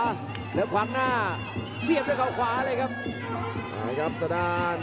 เหลือขวางหน้าเสียบด้วยเขาขวาเลยครับ